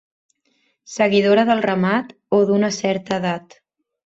Seguidora del ramat, o d'una certa edat.